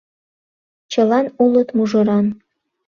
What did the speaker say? Чылан улыт мужыран